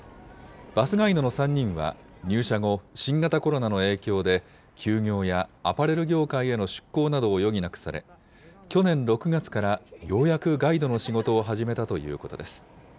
バスガイドの３人は入社後、新型コロナの影響で、休業やアパレル業界への出向などを余儀なくされ、去年６月から、ようやくガイドの仕事を始めたということです。